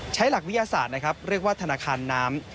หลักวิทยาศาสตร์นะครับเรียกว่าธนาคารน้ำ